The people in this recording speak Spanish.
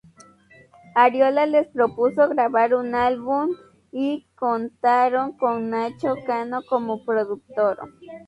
Ariola les propuso grabar un álbum y contaron con Nacho Cano como productor.